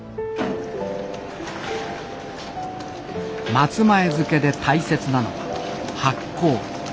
松前漬で大切なのは発酵。